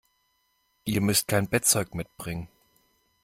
Ihr müsst kein Bettzeug mitbringen.